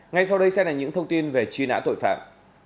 ngay sau đây sẽ là những thông tin về truy nã tội phạm